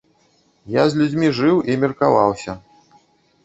Я з людзьмі жыў і меркаваўся.